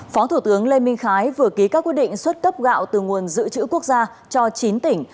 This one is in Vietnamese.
phó thủ tướng lê minh khái vừa ký các quy định xuất cấp gạo từ nguồn giữ chữ quốc gia cho chín tỉnh